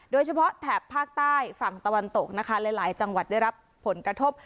แถบภาคใต้ฝั่งตะวันตกนะคะหลายจังหวัดได้รับผลกระทบ